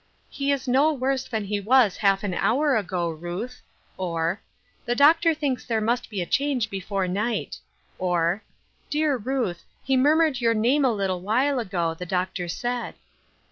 " He is no worse than he was half an hour ago, Ruth ;" or, " The doctor thinks there must be a change before night ;or, " Dear Ruth, he murmured your name a lit tle while ago' the doctor said."